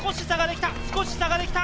少し差ができた。